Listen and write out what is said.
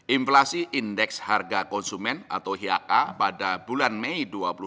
inflasi indeks harga konsumen atau hiaka pada bulan mei dua ribu dua puluh